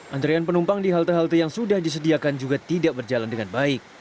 antrian penumpang di halte halte yang sudah disediakan juga tidak berjalan dengan baik